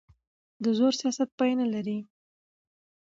د زور سیاست پای نه لري